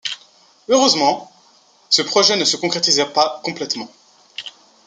Heureusement, ce projet ne se concrétisa pas complètement.